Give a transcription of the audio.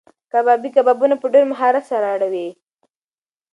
کبابي کبابونه په ډېر مهارت سره اړوي.